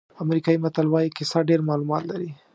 امریکایي متل وایي کیسه ډېر معلومات لري.